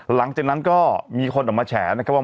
หลังจากนั้นก็มีคนออกมาแฉนะครับว่า